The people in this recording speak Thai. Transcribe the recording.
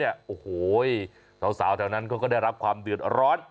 โอ้โหสาวแถวนั้นเขาก็ได้รับความเดือดร้อน